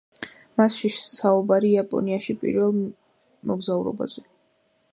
მასში საუბარი იაპონიაში პირველ მოგზაურობაზე.